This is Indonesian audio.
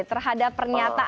terhadap pernyataan amin rais